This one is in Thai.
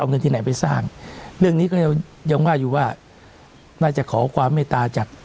เอาเงินที่ไหนไปสร้างเรื่องนี้ก็ยังยังว่าอยู่ว่าน่าจะขอความเมตตาจาก